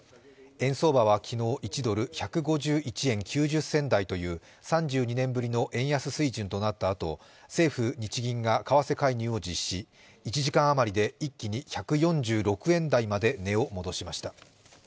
円相場は昨日、１ドル＝１５１ドル９０銭台という３２年ぶりの円安水準となったあと、政府・日銀が為替介入を実施、１時間余りで一気に１４６円台まで値を戻しました。